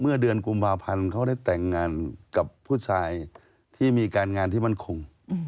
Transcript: เมื่อเดือนกุมภาพันธ์เขาได้แต่งงานกับผู้ชายที่มีการงานที่มั่นคง